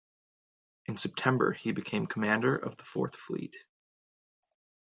In September he became commander of the Fourth Fleet.